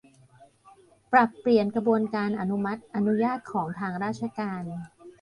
ปรับเปลี่ยนกระบวนการอนุมัติ อนุญาตของทางราชการ